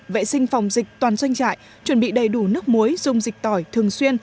vệ sinh phòng dịch toàn doanh trại chuẩn bị đầy đủ nước muối dùng dịch tỏi thường xuyên